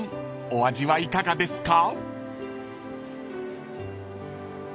［お味はいかがですか？］